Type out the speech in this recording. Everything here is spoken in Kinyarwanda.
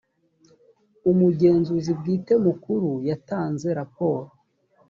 umugenzuzi bwite mukuru yatanze raporo